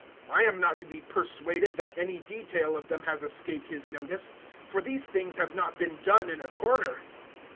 I am not to be persuaded that any detail of them has escaped his notice; for these things have not been done in a corner.